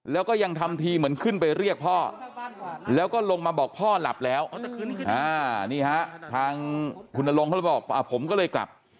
แล้วก็ยังทำทีเหมือนขึ้นไปเรียกพ่อแล้วก็ลงมาบอกพ่อหลับแล้วนี่ฮะทางคุณนรงเขาเลยบอกผมก็เลยกลับ